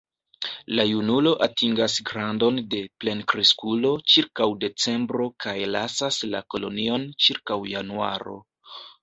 La junulo atingas grandon de plenkreskulo ĉirkaŭ decembro kaj lasas la kolonion ĉirkaŭ januaro.